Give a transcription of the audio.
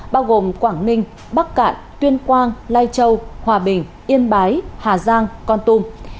bao gồm quảng ninh bắc cạn tuyên quang lai châu hòa bình yên bái hà giang con tum